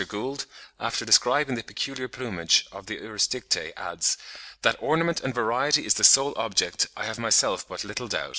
Gould, after describing the peculiar plumage of the Urosticte, adds, "that ornament and variety is the sole object, I have myself but little doubt."